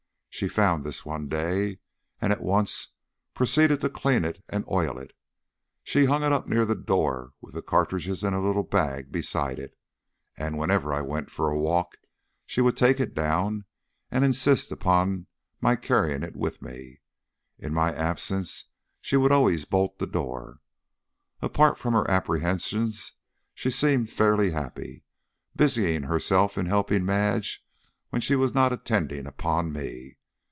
She found this one day, and at once proceeded to clean it and oil it. She hung it up near the door, with the cartridges in a little bag beside it, and whenever I went for a walk, she would take it down and insist upon my carrying it with me. In my absence she would always bolt the door. Apart from her apprehensions she seemed fairly happy, busying herself in helping Madge when she was not attending upon me.